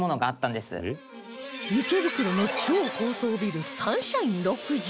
池袋の超高層ビルサンシャイン６０